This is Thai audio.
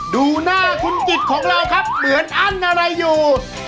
ดูหน้าคุณจิตของเราครับเหมือนอั้นอะไรอยู่